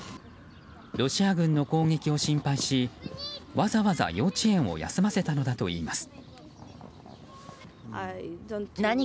ロシア軍の攻撃を心配しわざわざ幼稚園を休ませたのだといいます。